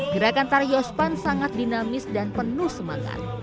gerakan tari yospan sangat dinamis dan penuh semangat